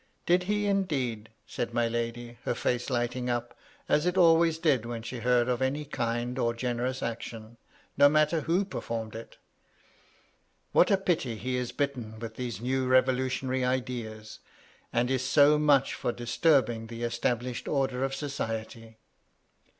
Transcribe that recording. " Did he, indeed 1" said my lady, her face lighting up, as it always did when she heard of any kind or generous action, no matter who performed it " What a pity he is bitten with these new revolutionary ideas, and is so mucli for disturbing the established order of society